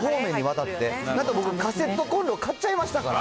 だって僕、カセットコンロ買っちゃいましたから。